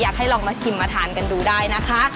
อยากให้ลองมาชิมมาทานกันดูได้นะคะ